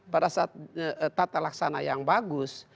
pada saat tata laksana yang bagus